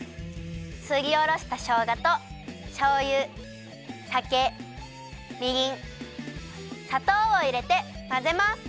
すりおろしたしょうがとしょうゆさけみりんさとうをいれてまぜます！